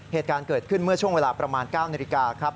เหตุการณ์เกิดขึ้นเมื่อช่วงเวลาประมาณ๙นาฬิกาครับ